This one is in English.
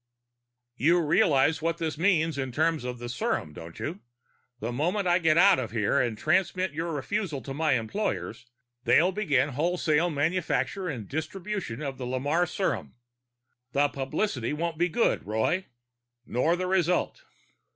"You realize what this means in terms of the serum, don't you? The moment I get out of here and transmit your refusal to my employers, they'll begin wholesale manufacture and distribution of the Lamarre serum. The publicity won't be good, Roy. Nor the result."